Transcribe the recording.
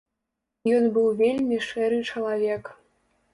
Ён быў вельмі шэры чалавек.